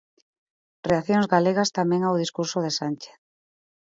Reaccións galegas tamén ao discurso Sánchez.